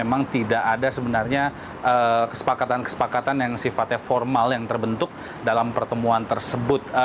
memang tidak ada sebenarnya kesepakatan kesepakatan yang sifatnya formal yang terbentuk dalam pertemuan tersebut